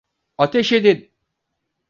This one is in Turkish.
Ateş edin!